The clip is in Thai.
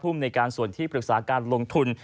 ในการส่วนที่ปรึกษาการลงทุน